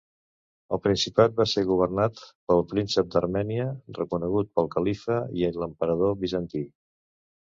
El principat va ser governat pel príncep d'Armènia, reconegut pel Califa i l'emperador bizantí.